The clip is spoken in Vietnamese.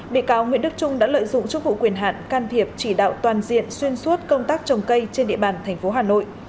bị cáo nguyễn đức trung đã lợi dụng chức vụ quyền hạn can thiệp chỉ đạo toàn diện xuyên suốt công tác trồng cây trên địa bàn tp hà nội